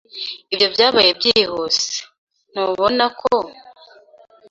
Ibyo byabaye byihuse, ntubona ko?